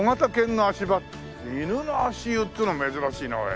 犬の足湯っていうのは珍しいね。